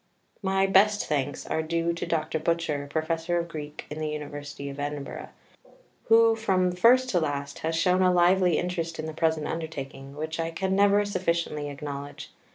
My best thanks are due to Dr. Butcher, Professor of Greek in the University of Edinburgh, who from first to last has shown a lively interest in the present undertaking which I can never sufficiently acknowledge.